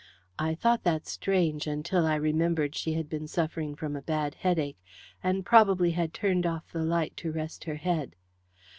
I thought that strange until I remembered she had been suffering from a bad headache, and probably had turned off the light to rest her head.